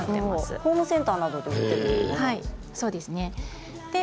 ホームセンターなどで売っています。